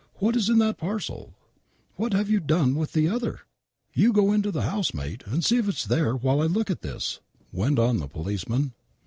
" What's in that parcel ?"" What have you done with the other ?"" You go into the house, mate, and see if it's there while I look at this," went on the policeman.